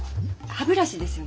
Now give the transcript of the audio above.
歯ブラシですよね。